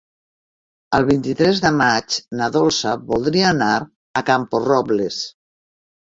El vint-i-tres de maig na Dolça voldria anar a Camporrobles.